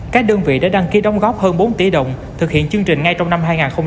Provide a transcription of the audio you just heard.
các đơn vị đã đăng ký đóng góp hơn bốn tỷ đồng thực hiện chương trình ngay trong năm hai nghìn hai mươi